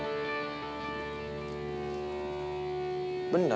gak ada temennya